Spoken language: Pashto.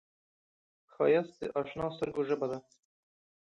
ښایست د اشنا سترګو ژبه ده